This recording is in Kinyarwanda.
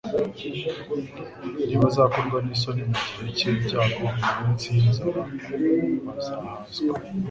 «Ntibazakorwa n'isoni mu gihe cy'ibyago, mu minsi y'inzara, bazahazwa".»